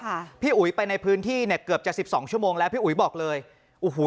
ค่ะพี่อุ๋ยไปในพื้นที่เนี่ยเกือบจะสิบสองชั่วโมงแล้วพี่อุ๋ยบอกเลยโอ้โห